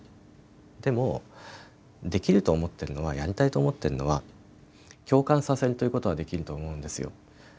でも、できると思っているのはやりたいと思っているのは共感させるということはできると思うんですよ。